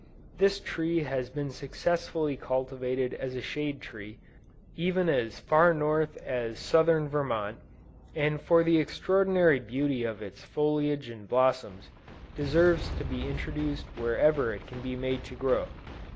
This tree has been successfully cultivated as a shade tree, even as far North as Southern Vermont, and for the extraordinary beauty of its foliage and blossoms, deserves to be introduced wherever it can be made to grow.